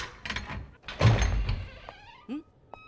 うん？